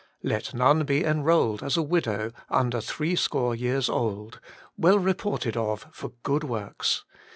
Let none be \ enrolled as a widow under threescore years old, j ZL'cll reported of for good zvorks